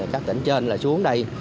các tỉnh trên là xuống đây